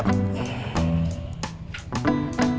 aku akan pulang dulu